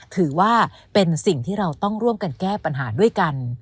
ถือว่าเป็นสิ่งที่เราต้องร่วมกันแก้ปัญหาด้วยกัน